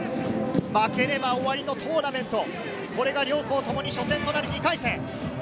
負ければ終わりのトーナメント、これが両校ともに初戦となる２回戦。